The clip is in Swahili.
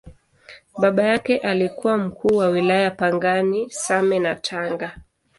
Baba yake alikuwa Mkuu wa Wilaya Pangani, Same na Tanga.